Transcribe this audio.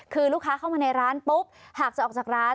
คือลูกค้าเข้ามาในร้านปุ๊บหากจะออกจากร้าน